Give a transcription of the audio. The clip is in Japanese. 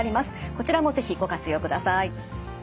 こちらも是非ご活用ください。